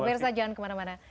pemirsa jangan kemana mana